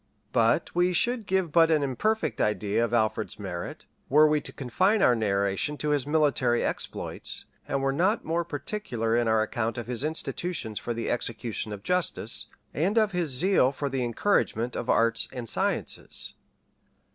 But we should give but an imperfect idea of Alfred's merit, were we to confine our narration to his military exploits, and were not more particular in our account of his institutions for the execution of justice, and of his zeal for the encouragement of arts and sciences.